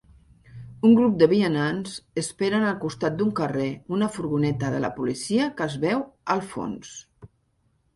Un grup de vianants esperen al costat d'un carrer una furgoneta de la policia que es veu al fons.